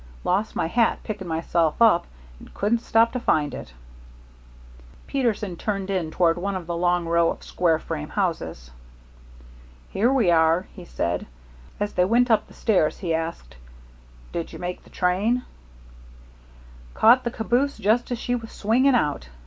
Lost my hat picking myself up, and couldn't stop to find it." Peterson turned in toward one of a long row of square frame houses. "Here we are," he said. As they went up the stairs he asked: "Did you make the train?" "Caught the caboose just as she was swinging out.